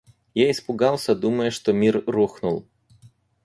Я испугался, думая, что мир рухнул.